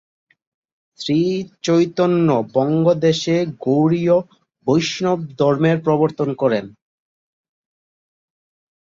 শ্রীচৈতন্য বঙ্গদেশে গৌড়ীয় বৈষ্ণবধর্মের প্রবর্তন করেন।